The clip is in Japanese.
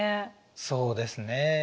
そうですね。